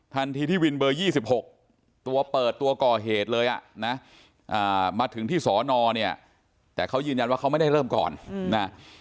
มาถึงที่สนคลองตันเนี่ยแต่เขายืนยันว่าเขาไม่ได้เริ่มก่อนนะ